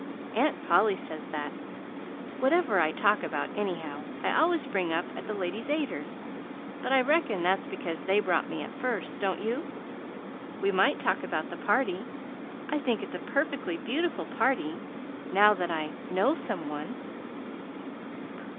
"Aunt Polly says that, whatever I talk about, anyhow, I always bring up at the Ladies' Aiders. But I reckon that's because they brought me up first, don't you? We might talk about the party. I think it's a perfectly beautiful party now that I know some one."